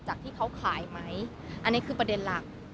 จากที่เขาขายไหมอันนี้คือประเด็นหลัก